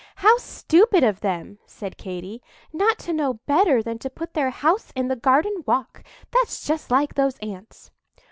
"How stupid of them," said Katy, "not to know better than to put their house in the garden walk; that's just like those Ants."